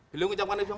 belum ngecapkan apa